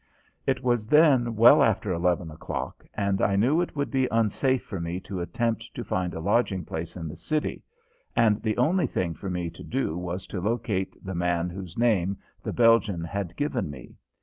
It was then well after eleven o'clock, and I knew it would be unsafe for me to attempt to find a lodging place in the city, and the only thing for me to do was to locate the man whose name the Belgian had given me.